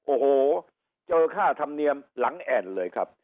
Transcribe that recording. โอ้โหเจอค่าธรรมเนียมหลังแอ่นเลยครับ